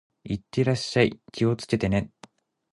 行ってらっしゃい。気をつけてね。